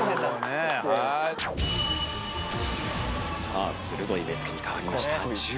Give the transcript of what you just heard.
さあ鋭い目つきに変わりました。